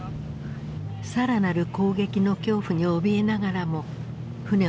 更なる攻撃の恐怖におびえながらも船は救出に向かう。